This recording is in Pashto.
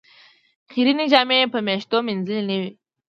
خیرنې جامې یې په میاشتو مینځلې نه وې.